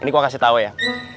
ini gue kasih tau ya